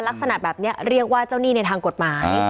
ลักษณะแบบนี้เรียกว่าเจ้าหนี้ในทางกฎหมาย